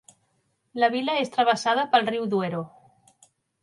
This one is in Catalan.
La vila és travessada pel riu Duero.